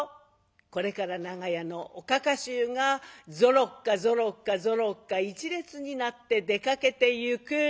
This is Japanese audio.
これから長屋のおかか衆がぞろっかぞろっかぞろっか１列になって出かけてゆく。